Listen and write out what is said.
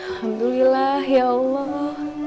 alhamdulillah ya allah